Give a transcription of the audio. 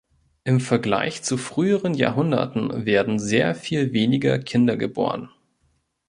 Im Vergleich zu früheren Jahrhunderten werden sehr viel weniger Kinder geboren.